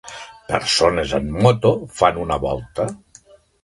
Persones en moto fan una volta.